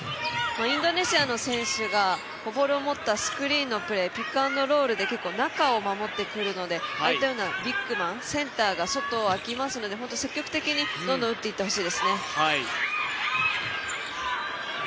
インドネシアの選手がボールを持ったスクリーンのプレーピックアンドロールで結構中を守ってくるのでああいったようなビッグマンセンターが外空きますので、積極的に打っていってほしいですね。